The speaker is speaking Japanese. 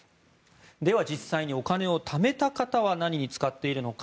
では、実際にお金をためた方は何に使っているのか。